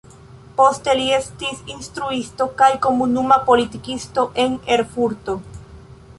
Poste li estis instruisto kaj komunuma politikisto en Erfurto.